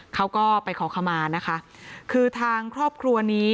เขาก็ไปขอขมานะคะคือทางครอบครัวนี้